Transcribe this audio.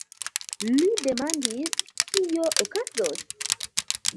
Li demandis: "Kio okazos?